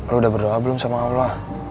lo udah berdoa belum sama allah